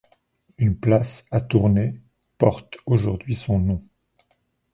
Une place à Tournai porte aujourd'hui son nom.